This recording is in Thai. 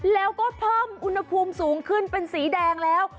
แล้วก็เพิ่มอุณหภูมิสูงขึ้นเป็นสีแดงแล้ว